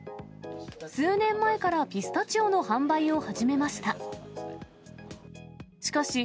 数年前からピスタチオの販売を始めました。